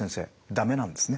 駄目なんですね？